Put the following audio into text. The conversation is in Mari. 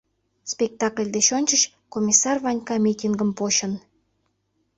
Спектакль деч ончыч Комиссар Ванька митингым почын.